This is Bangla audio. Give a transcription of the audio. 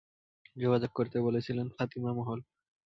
যোগাযোগ করতে বলছিলেন, ফাতিমা মহল।